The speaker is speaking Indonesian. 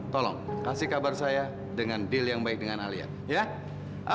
tolong kasih kabar saya dengan deal yang baik dengan alia